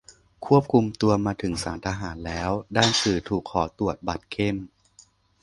ควบคุมตัวมาถึงศาลทหารแล้ว ด้านสื่อถูกขอตรวจบัตรเข้ม